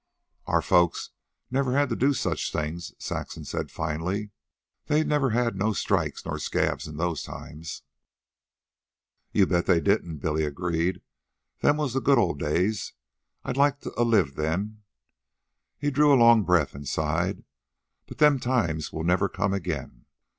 "Our folks never had to do such things," Saxon said finally. "They never had strikes nor scabs in those times." "You bet they didn't," Billy agreed. "Them was the good old days. I'd liked to a lived then." He drew a long breath and sighed. "But them times will never come again."